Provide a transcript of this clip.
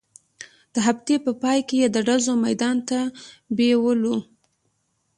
د هفتې په پاى کښې يې د ډزو ميدان ته بېولو.